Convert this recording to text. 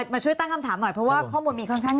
มาช่วยตั้งคำถามหน่อยเพราะว่าข้อมูลมีค่อนข้าง